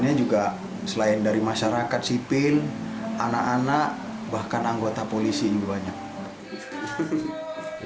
dan akhirnya juga selain dari masyarakat sipil anak anak bahkan anggota polisi juga banyak